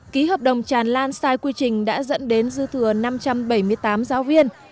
ký hợp đồng tràn lan sai quy trình đã dẫn đến dư thừa năm trăm bảy mươi tám giáo viên